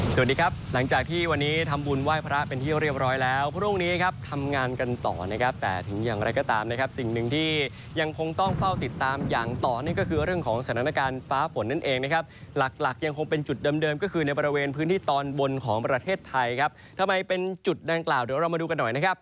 สวัสดีครับหลังจากที่วันนี้ทำบุญไหว้พระเป็นที่เรียบร้อยแล้วพรุ่งนี้ครับทำงานกันต่อนะครับแต่ถึงอย่างไรก็ตามนะครับสิ่งหนึ่งที่ยังคงต้องเฝ้าติดตามอย่างต่อนี่ก็คือเรื่องของสถานการณ์ฟ้าฝนนั่นเองนะครับหลักหลักยังคงเป็นจุดเดิมก็คือในบริเวณพื้นที่ตอนบนของประเทศไทยครับทำไมเป็นจุดดังกล่าวเดี๋ยวเรามาดูกันหน่อยนะครับ